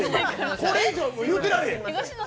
これ以上言うてられん。